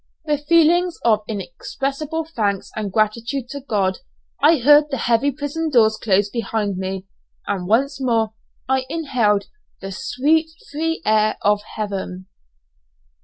With feelings of inexpressible thankfulness and gratitude to God I heard the heavy prison doors close behind me, and once more I inhaled the sweet free air of Heaven!